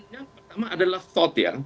yang pertama adalah thought ya